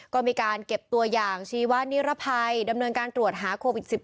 ก็มีการเก็บตัวอย่างชีวะนิรภัยดำเนินการตรวจหาโควิด๑๙